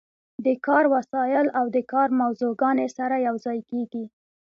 د کار وسایل او د کار موضوعګانې سره یوځای کیږي.